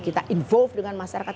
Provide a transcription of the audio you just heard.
kita involve dengan masyarakat